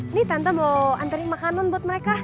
ini tante mau anterin makanan buat mereka